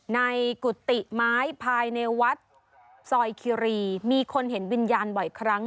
กุฏิไม้ภายในวัดซอยคิรีมีคนเห็นวิญญาณบ่อยครั้ง